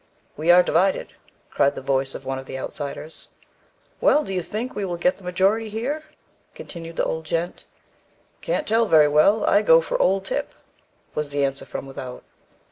"We are divided," cried the rough voice of one of the outsiders. "Well, who do you think will get the majority here?" continued the old gent. "Can't tell very well; I go for 'Old Tip,'" was the answer from without.